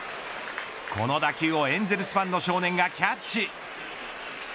この打球をエンゼルスファンの少年がキャッチ。